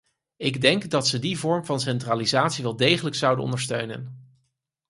Ik denk dat ze die vorm van centralisatie wel degelijk zouden ondersteunen.